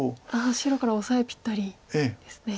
白からオサエぴったりですね。